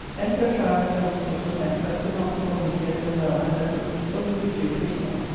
Then to a trial of several sorts of hemp, but could not perform it here so well as at Woolwich, but we did do it pretty well.